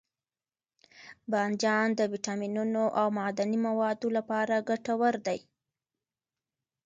بانجان د ویټامینونو او معدني موادو لپاره ګټور دی.